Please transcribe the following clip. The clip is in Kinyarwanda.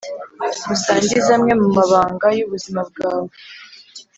musangize amwe mu mabanga y’ubuzima bwawe